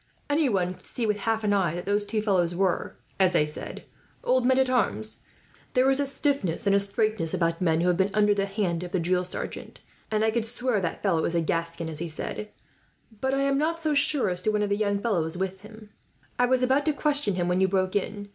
"Anyone could see, with half an eye, that those two fellows were, as they said, old men at arms. There is a straightness and a stiffness about men who have been under the hands of the drill sergeant there is no mistaking; and I could swear that fellow is a Gascon, as he said. "But I am not so sure as to one of the young fellows with them. I was about to question him, when you broke in.